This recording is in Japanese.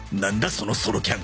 そのソロキャン